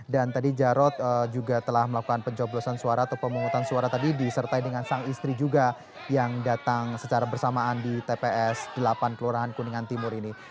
dan tadi jarod juga telah melakukan pencoblosan suara atau pemungutan suara tadi disertai dengan sang istri juga yang datang secara bersamaan di tps delapan kelurahan kuningan timur ini